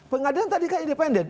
pengadilan tadi kan independen